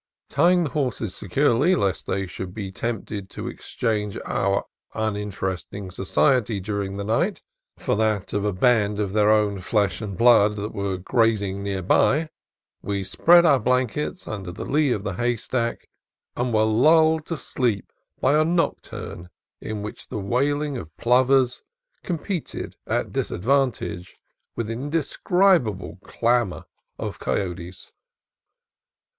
Tying the horses securely, lest they should be tempted to exchange our uninteresting society, during the night, for that of a band of their own flesh and blood that were grazing near by, we spread our blankets under the lee of the haystack, and were lulled to sleep by a nocturne in which the wailing of plovers competed at disadvantage with an indescribable clamor of coyotes.